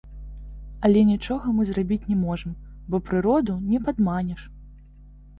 Але нічога мы зрабіць не зможам, бо прыроду не падманеш.